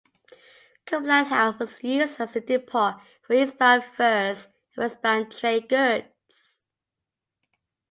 Cumberland House was used as a depot for east-bound furs and west-bound trade goods.